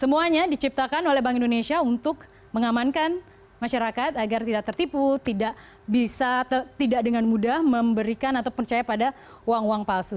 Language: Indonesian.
semuanya diciptakan oleh bank indonesia untuk mengamankan masyarakat agar tidak tertipu tidak bisa tidak dengan mudah memberikan atau percaya pada uang uang palsu